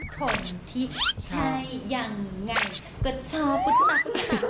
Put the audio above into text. คนที่ใช่อย่างไรก็ชอบปุ๊บปากปุ๊บปาก